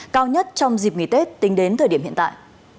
cao nhất trong dịp nghỉ tết tính đến thời điểm hiện tại